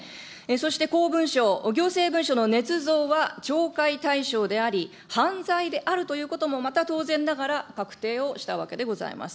そして公文書、行政文書のねつ造は懲戒対象であり、犯罪であるということもまた当然ながら、確定をしたわけでございます。